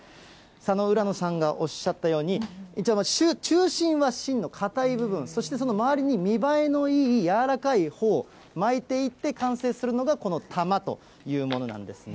浦野さんがおっしゃったように、一応、中心は芯の硬い部分、そのその周りに見栄えのいいやわらかいほを巻いていって、完成するのが、この玉というものなんですね。